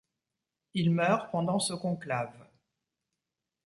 Il meurt pendant ce conclave.